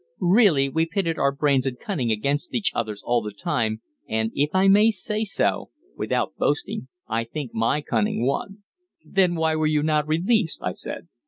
Really we pitted our brains and cunning against each other's all the time, and, if I may say so without boasting, I think my cunning won." "Then why were you not released?" I said.